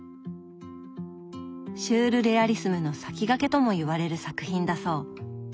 シュールレアリスムの先駆けともいわれる作品だそう。